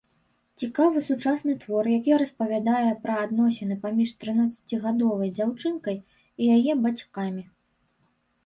Цікавы сучасны твор, які распавядае пра адносіны паміж трынаццацігадовай дзяўчынкай і яе бацькамі.